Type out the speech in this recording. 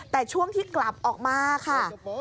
แต่ช่วงที่กลับออกมาค่ะ